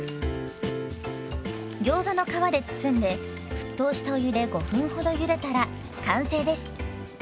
ギョーザの皮で包んで沸騰したお湯で５分ほどゆでたら完成です。